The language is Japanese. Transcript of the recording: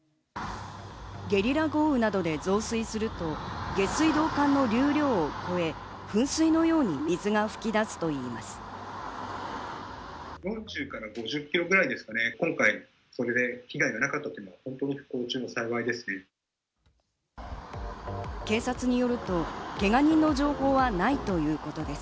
ゲリラ豪雨などで増水すると下水道管の流量を超え、噴水のように水が噴き出すといいます。